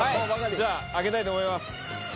じゃあ開けたいと思います。